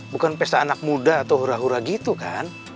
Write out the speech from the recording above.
bukan pesta anak muda atau hura hura gitu kan